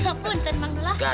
apa ntar manduloh